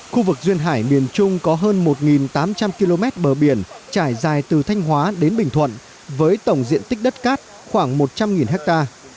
khu vực duyên hải miền trung có hơn một tám trăm linh km bờ biển trải dài từ thanh hóa đến bình thuận với tổng diện tích đất cát khoảng một trăm linh hectare